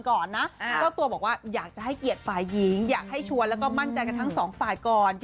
เจ้าตัวบอกว่าอยากจะให้เกียรติฝ่ายหญิงอยากให้ชวนแล้วก็มั่นใจกันทั้งสองฝ่ายก่อน